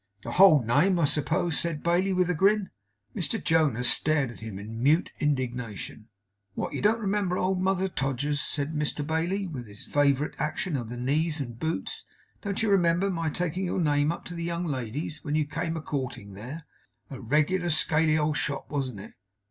'The hold name, I suppose?' said Bailey, with a grin. Mr Jonas stared at him in mute indignation. 'What, don't you remember hold mother Todgers's?' said Mr Bailey, with his favourite action of the knees and boots. 'Don't you remember my taking your name up to the young ladies, when you came a courting there? A reg'lar scaly old shop, warn't it?